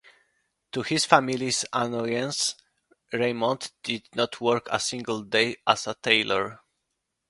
To his family's annoyance, Reymont did not work a single day as a tailor.